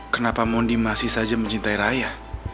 kenapa mon di masih saja mencintai raya